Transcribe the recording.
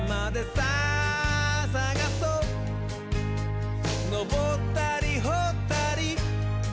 「さあさがそうのぼったりほったり」